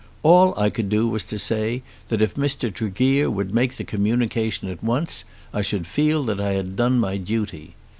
All I could do was to say that if Mr. Tregear would make the communication at once, I should feel that I had done my duty.